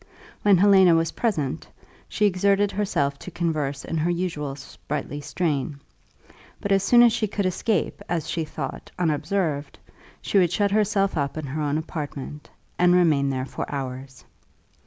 When Helena was present, she exerted herself to converse in her usual sprightly strain; but as soon as she could escape, as she thought, unobserved, she would shut herself up in her own apartment, and remain there for hours.